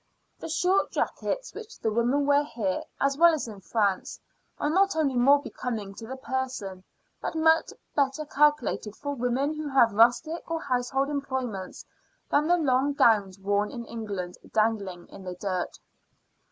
The short jackets which the women wear here, as well as in France, are not only more becoming to the person, but much better calculated for women who have rustic or household employments than the long gowns worn in England, dangling in the dirt.